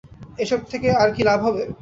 এ সব থেকে তার কী লাভ হবে?